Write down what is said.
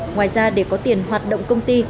ngoài ra để có tiền hoạt động công ty